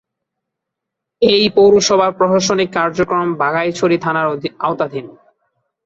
এ পৌরসভার প্রশাসনিক কার্যক্রম বাঘাইছড়ি থানার আওতাধীন।